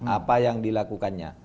apa yang dilakukannya